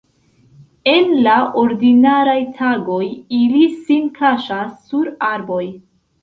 En la ordinaraj tagoj ili sin kaŝas sur arboj.